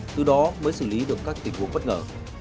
từ đó mới xử lý được các tình huống bất ngờ